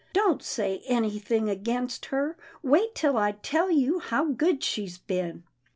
" Don't say any thing against her — wait till I tell you how good she's been."